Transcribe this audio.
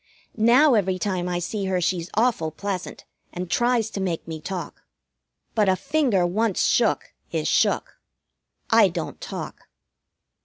Now every time I see her she's awful pleasant, and tries to make me talk. But a finger once shook is shook. I don't talk.